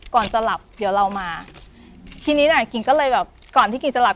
ก่อนจะหลับเดี๋ยวเรามาทีนี้น่ะกิ่งก็เลยแบบก่อนที่กิ่งจะหลับ